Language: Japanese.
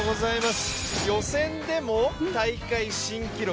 予選でも、大会新記録。